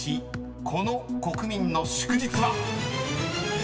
この国民の祝日は］